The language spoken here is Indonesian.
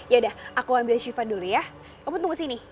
yaudah aku ambil shifan dulu ya kamu tunggu sini